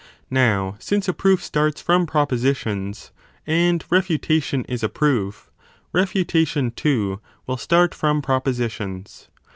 Now since a proof starts from propositions and refutation is a proof, refutation, too, will start from propositions.